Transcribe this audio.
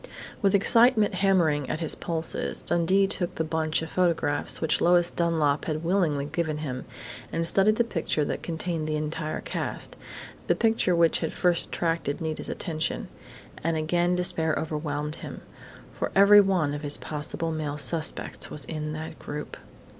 With excitement hammering at his pulses, Dundee took the bunch of photographs which Lois Dunlap had willingly given him, and studied the picture that contained the entire cast the picture which had first attracted Nita's attention. And again despair overwhelmed him, for every one of his possible male suspects was in that group....